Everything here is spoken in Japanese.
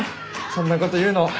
そんなこと言うのは。